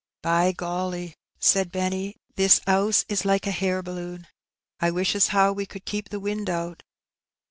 By golly !'' said Benny, "this ^ouse is like a hair balloon. I wish as how we could keep the wind out.